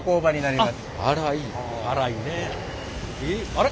あれ？